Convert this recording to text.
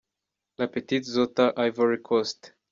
La Petite Zota – Ivory Coast.